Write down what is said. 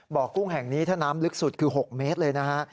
กุ้งแห่งนี้ถ้าน้ำลึกสุดคือ๖เมตรเลยนะฮะ